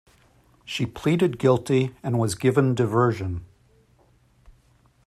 She pleaded guilty and was given diversion.